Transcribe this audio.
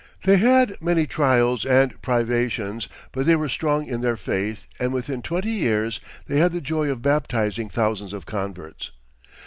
They had many trials and privations, but they were strong in their faith, and within twenty years they had the joy of baptizing thousands of converts.